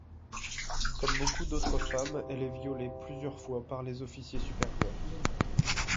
Comme beaucoup d´autres femmes elle est violée plusieurs fois par les officiers supérieurs.